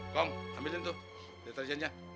kokom ambilin tuh deterjennya